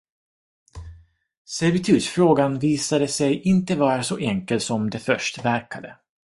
Servitutsfrågan visade sig inte vara så enkel som det först verkade.